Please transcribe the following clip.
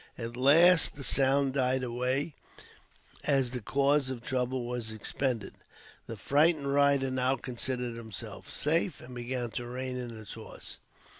At last the sound died away, as the cause of the trouble was expended. The frightened rider now considered himself safe, and began to rein in his horse.